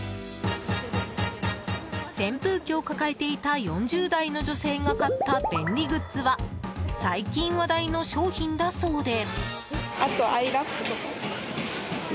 扇風機を抱えていた４０代の女性が買った便利グッズは最近、話題の商品だそうで。